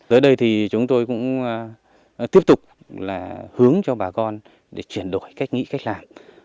dưới đây chúng tôi cũng tiếp tục hướng cho bà con để chuyển đổi cách nghĩ cách làm